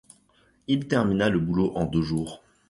Il termina le boulot en deux jours.